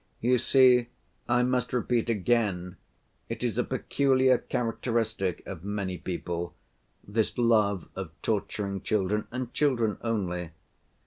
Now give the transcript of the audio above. You see, I must repeat again, it is a peculiar characteristic of many people, this love of torturing children, and children only.